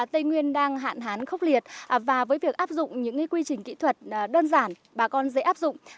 tây nguyên đang hạn hán khốc liệt và với việc áp dụng những quy trình kỹ thuật đơn giản bà con dễ áp dụng